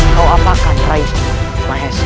kau apakah raih mahesha